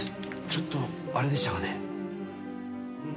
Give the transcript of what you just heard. ちょっとあれでしたかね？